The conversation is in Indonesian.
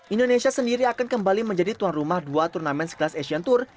indonesia sendiri akan kembali menjadi tuan rumah dua turnamen sekelas asian tour